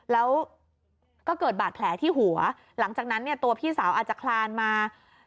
แล้วก็เกิดบาดแผลที่หัวหลังจากนั้นเนี่ยตัวพี่สาวอาจจะคลานมา